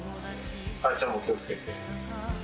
母ちゃんも気をつけて。